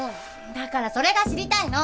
だからそれが知りたいの！